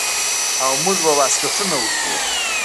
او موږ به واسکټونه ورکول.